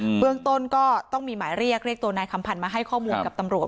เบื้องต้นก็ต้องมีหมายเรียกเรียกตัวนายคำพันธ์มาให้ข้อมูลกับตำรวจ